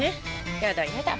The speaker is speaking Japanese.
やだやだ。